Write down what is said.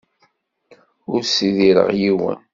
Ur ssidireɣ yiwen.